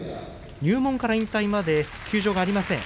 入門から引退まで休場がありません。